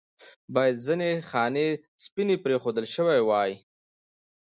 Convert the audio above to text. باید ځنې خانې سپینې پرېښودل شوې واې.